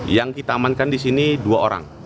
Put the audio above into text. yang kita amankan di sini dua orang